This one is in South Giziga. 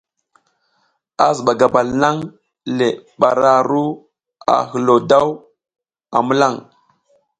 A ziba gabal nang le bara a ru a hilo daw a milan.